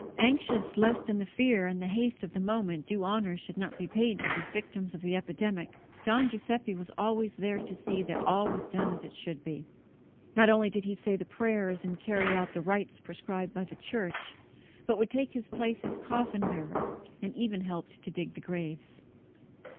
Anxious lest in the fear and the haste of the moment due honour should not be paid to these victims of the epidemic, Don Giuseppe was always there to see that all was done as it should be. Not only did he say the prayers and carry out the rites prescribed by the Church, but would take his place as coffin bearer, and even helped to dig the graves.